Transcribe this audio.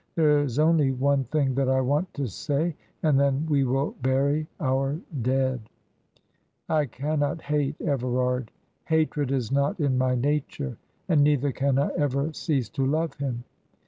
There is only one thing that I want to say, and then we will bury our dead. I cannot hate Everard hatred is not in my nature and neither can I ever cease to love him.